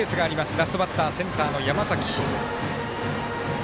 ラストバッター、センターの山崎。